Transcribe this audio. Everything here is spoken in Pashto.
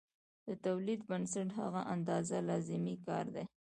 د تولید بنسټ هغه اندازه لازمي کار دی